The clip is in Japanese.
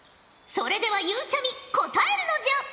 それではゆうちゃみ答えるのじゃ！